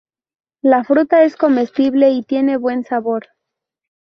La fruta es comestible y tiene buen sabor.